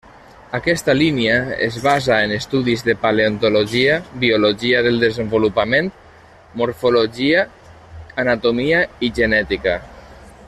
Aquesta línia es basa en estudis de paleontologia, biologia del desenvolupament, morfologia, anatomia i genètica.